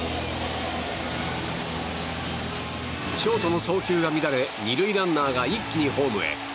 ショートの送球が乱れ２塁ランナーが一気にホームへ。